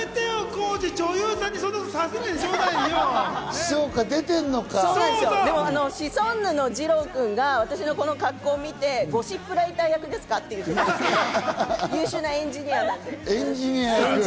浩次、女優さんにそシソンヌのじろう君が私のこの格好を見て、ゴシップライター役ですか？って言って、優秀なエンジニアなので。